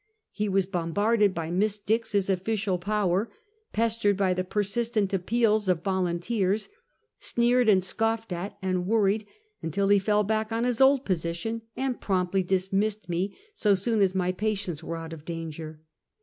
He was bombarded by Miss Dix's official power, pestered by the persistant appeals of volunteers; sneered and scofifed at and worried, until he fell back on his old position, and promptly dismissed me so soon as mj patients were out of danger.